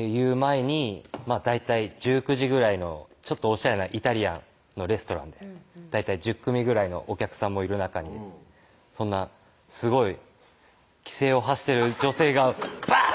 いう前に大体１９時ぐらいのちょっとおしゃれなイタリアンのレストランで大体１０組ぐらいのお客さんもいる中でそんなすごい奇声を発してる女性がバーン！